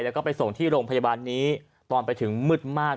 แล้วก็ไปส่งที่โรงพยาบาลนี้ตอนไปถึงมืดมาก